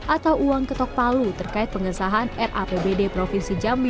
atau uang ketok palu terkait pengesahan rapbd provinsi jambi dua ribu delapan belas